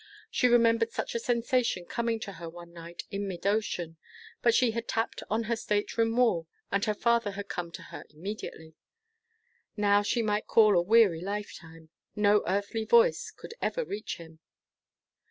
She remembered such a sensation coming to her one night in mid ocean, but she had tapped on her state room wall, and her father had come to her immediately. Now she might call a weary lifetime. No earthly voice could ever reach him.